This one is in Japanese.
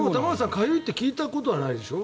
かゆいって聞いたことはないでしょ？